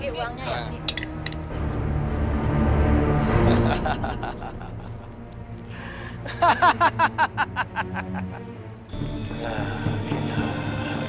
dia yang akan selamat